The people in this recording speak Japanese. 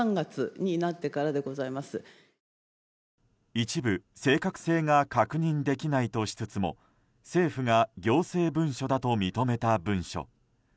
一部、正確性が確認できないとしつつも政府が行政文書だと認めた文書。